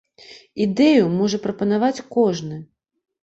Ідэю можа прапанаваць кожны!